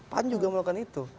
pan juga melakukan itu